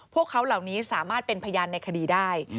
พวกเขาเหล่านี้สามารถเป็นพยานในคดีได้